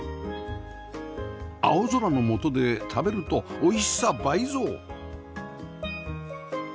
青空の下で食べるとおいしさ倍増！